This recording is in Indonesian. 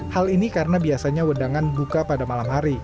hal ini karena biasanya wedangan buka pada malam hari